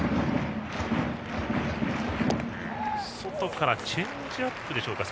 外からチェンジアップか。